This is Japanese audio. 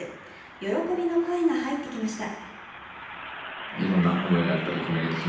喜びの声が入ってきました。